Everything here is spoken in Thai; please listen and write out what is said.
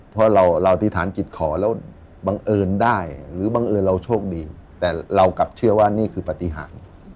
เพราะเราอธิษฐานจิตขอแล้วบังเอิญได้หรือบังเอิญเราโชคดีแต่เรากลับเชื่อว่านี่คือปฏิหาร